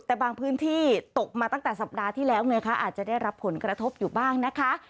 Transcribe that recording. แต่บางพื้นที่ตกมาตั้งแต่สัปดาห์ที่แล้วไงคะอาจจะได้รับผลกระทบอยู่บ้างนะคะ